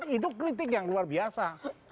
itu kritik yang luar biasa